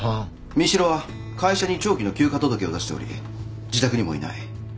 三城は会社に長期の休暇届を出しており自宅にもいない。